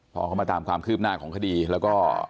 พอเขามาตามความคืบหน้าของคดีแล้วก็